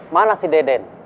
mana si deden